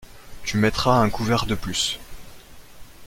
Tu mettras un couvert de plus.